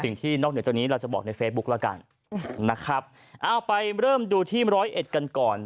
นอกเหนือจากนี้เราจะบอกในเฟซบุ๊คละกันนะครับเอาไปเริ่มดูที่ร้อยเอ็ดกันก่อน